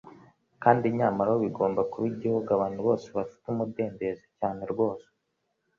Kandi nyamara bigomba kuba - igihugu abantu bose bafite umudendezo cyane rwose